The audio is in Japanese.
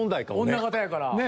女方やから。